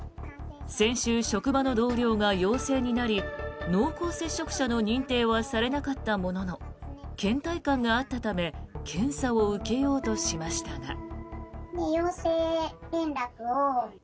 先週、職場の同僚が陽性になり濃厚接触者の認定はされなかったもののけん怠感があったため検査を受けようとしましたが。